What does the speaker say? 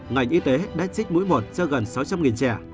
ngành y tế đã tiêm mũi một cho gần sáu trăm linh trẻ